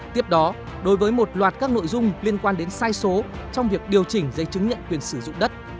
tiếp đó đối với một loạt các nội dung liên quan đến sai số trong việc điều chỉnh dây chứng nhận quyền sử dụng đất